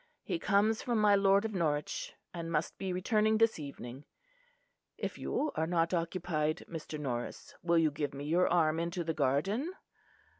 He comes from my lord of Norwich, and must be returning this evening. If you are not occupied, Mr. Norris, will you give me your arm into the garden?"